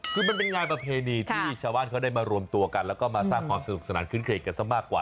คือมันเป็นงานประเพณีที่ชาวบ้านเขาได้มารวมตัวกันแล้วก็มาสร้างความสนุกสนานคื้นเครงกันซะมากกว่า